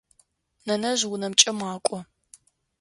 Нэнэжъ унэмкӏэ макӏо.